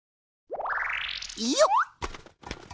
よっ！